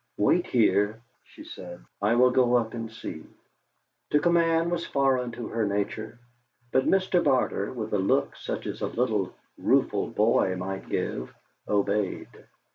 "Wait here," she said. "I will go up and see." To command was foreign to her nature, but Mr. Barter, with a look such as a little rueful boy might give, obeyed.